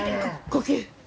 呼吸。